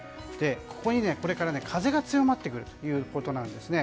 ここに、これから風が強まってくるということです。